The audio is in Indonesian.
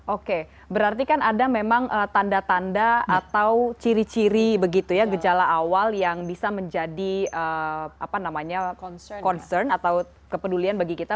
oke berarti kan ada memang tanda tanda atau ciri ciri begitu ya gejala awal yang bisa menjadi concern atau kepedulian bagi kita